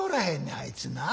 あいつな。